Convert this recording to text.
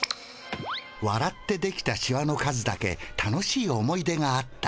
わらってできたシワの数だけ楽しい思い出があった。